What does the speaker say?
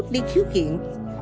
đi thiếu kiện